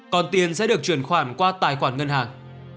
còn tiền sẽ được chuyển khoản qua tài khoản ngân hàng